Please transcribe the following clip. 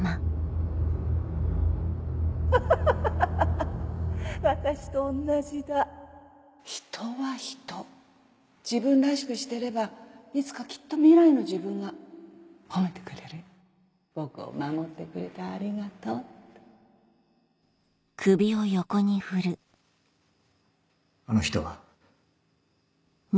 ハハハハ私とおんひとはひと自分らしくしてればいつかきっと未来の自分が褒めてくれる「僕を守ってくれてありがとう」ってあの人は。